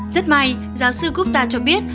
rất may giáo sư gupta cho biết